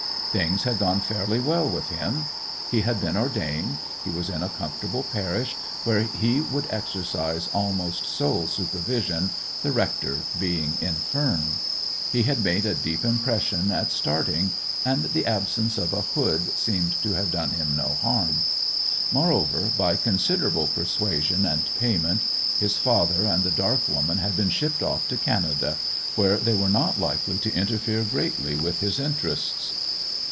Things had gone fairly well with him. He had been ordained; he was in a comfortable parish, where he would exercise almost sole supervision, the rector being infirm. He had made a deep impression at starting, and the absence of a hood seemed to have done him no harm. Moreover, by considerable persuasion and payment, his father and the dark woman had been shipped off to Canada, where they were not likely to interfere greatly with his interests.